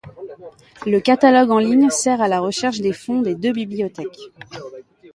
Le catalogue en ligne sert à la recherche des fonds des deux bibliothèques.